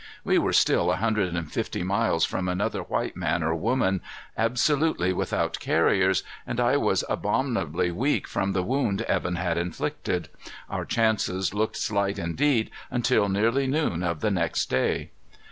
We were still a hundred and fifty miles from another white man or woman, absolutely without carriers, and I was abominably weak from the wound Evan had inflicted. Our chances looked slight indeed until nearly noon of the next day.